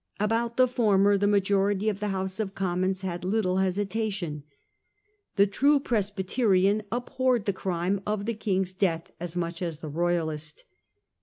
About the former the majority of the House of Commons had little hesitation ; the true Presbyterian abhorred the crime of the king's death as much as the Royalist.